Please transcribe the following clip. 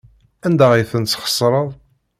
Anda ay tent-tesxeṣreḍ?